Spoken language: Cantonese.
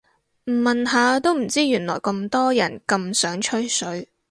唔問下都唔知原來咁多人咁想吹水